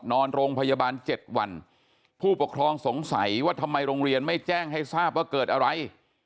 นอนโรงพยาบาล๗วันผู้ปกครองสงสัยว่าทำไมโรงเรียนไม่แจ้งให้ทราบว่าเกิดอะไร